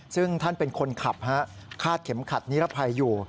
ซึ่งท่านเป็นคนขับคาดเข็มขัดนิรภัยอยู่